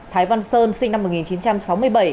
thái văn sơn sinh năm một nghìn chín trăm sáu mươi bảy